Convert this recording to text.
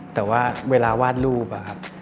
แต่ว่าเวลาวาดรูป